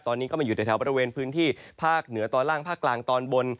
ตอนนี้ก็มาอยู่ในแถวบริเวณพื้นที่ภาคเหนือตอนล่างภาคกลางตอนบน